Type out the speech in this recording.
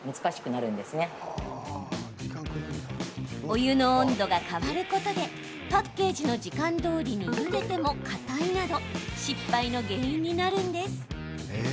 お湯の温度が変わることでパッケージの時間どおりにゆでても、かたいなど失敗の原因になるんです。